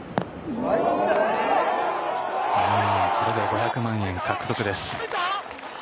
これで５００万円獲得です。